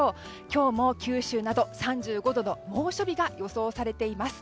今日も九州など３５度の猛暑日が予想されています。